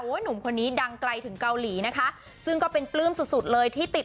หนุ่มคนนี้ดังไกลถึงเกาหลีนะคะซึ่งก็เป็นปลื้มสุดสุดเลยที่ติด